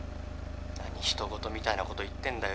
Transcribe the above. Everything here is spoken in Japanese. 何人ごとみたいなこと言ってんだよ。